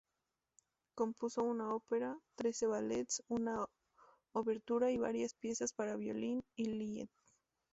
Compuso una ópera, trece ballets, una obertura y varias piezas para violín y lied.